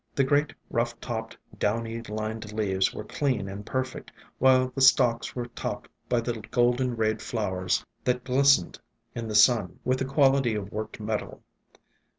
The great rough topped, downy lined leaves were clean and perfect, while the stalks were topped by the golden rayed flowers that glis 80 ESCAPED FROM GARDENS tened in the sun with the quality of worked metal.